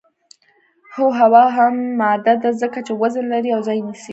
هو هوا هم ماده ده ځکه چې وزن لري او ځای نیسي.